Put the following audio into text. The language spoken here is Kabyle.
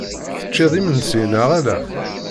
Teččiḍ imensi neɣ ala?